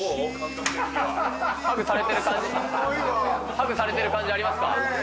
ハグされている感じありますか？